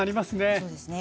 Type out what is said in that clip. そうですね。